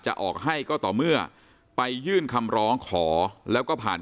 จะออกให้ก็ต่อเมื่อไปยื่นคำร้องขอแล้วก็ผ่าน